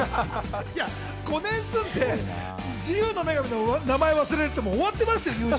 ５年住んで自由の女神の名前を忘れるって終わってますよ。